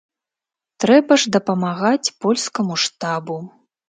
Трэба ж дапамагаць польскаму штабу.